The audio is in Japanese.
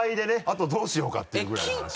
あとどうしようか？っていうぐらいの話。